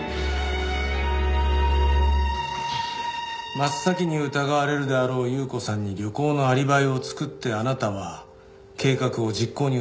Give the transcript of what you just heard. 真っ先に疑われるであろう優子さんに旅行のアリバイを作ってあなたは計画を実行に移した。